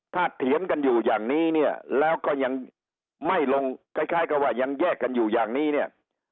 ถ้าเถียงกันอยู่อย่างนี้เนี่ยแล้วก็ยังไม่ลงคล้ายกับว่ายังแยกกันอยู่อย่างนี้เนี่ย